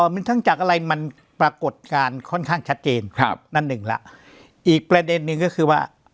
มันปรากฏการณ์ค่อนข้างชัดเจนอีกประเด็นหนึ่งก็คือว่า